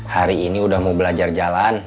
hari ini udah mau belajar jalan